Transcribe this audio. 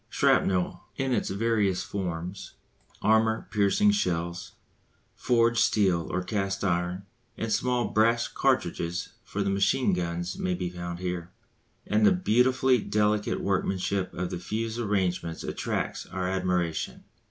Shrapnel in its various forms, armour piercing shells, forged steel or cast iron, and small brass cartridges for the machine guns may be found here; and the beautifully delicate workmanship of the fuse arrangements attracts our admiration.